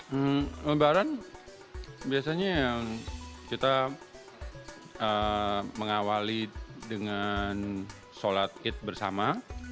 hmm lebaran biasanya kita mengawali dengan sholat id bersama